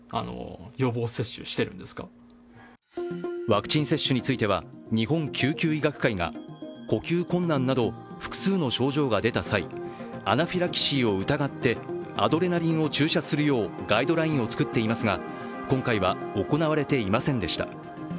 ワクチン接種については日本救急医学会が呼吸困難など複数の症状が出た際、アナフィラキシーを疑ってアドレナリンを注射するようガイドラインを作っていますが今回は行われていませんでした。